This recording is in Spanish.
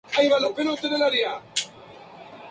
Estuvo perdida hasta el otro día.